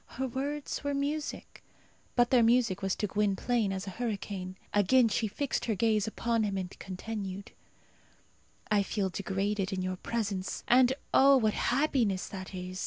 Her words were music, but their music was to Gwynplaine as a hurricane. Again she fixed her gaze upon him and continued, "I feel degraded in your presence, and oh, what happiness that is!